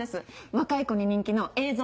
若い子に人気の映像